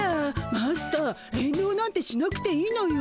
マスター遠慮なんてしなくていいのよ。